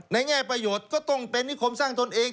แง่ประโยชน์ก็ต้องเป็นนิคมสร้างตนเอง